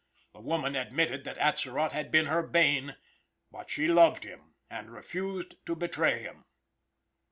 The woman admitted that Atzerott had been her bane, but she loved him, and refused to betray him.